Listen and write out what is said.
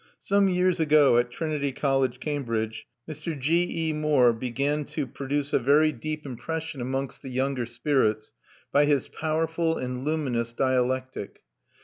Some years ago, at Trinity College, Cambridge, Mr. G.E. Moore began to produce a very deep impression amongst the younger spirits by his powerful and luminous dialectic.